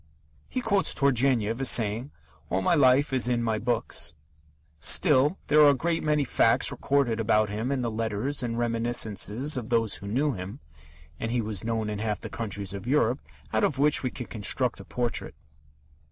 He quotes Turgenev as saying: "All my life is in my books." Still, there are a great many facts recorded about him in the letters and reminiscences of those who knew him (and he was known in half the countries of Europe), out of which we can construct a portrait.